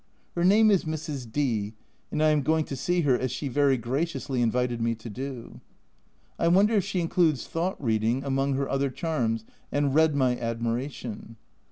Her name is Mrs. D , and I am going to see her, as she very graciously invited me to do. I wonder if she includes thought reading among her other charms and read my admiration